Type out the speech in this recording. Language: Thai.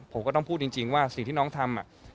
ผมก็ต้องพูดจริงว่าสิ่งที่น้องทำ